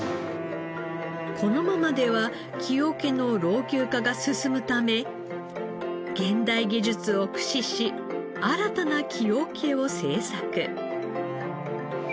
このままでは木桶の老朽化が進むため現代技術を駆使し新たな木桶を製作。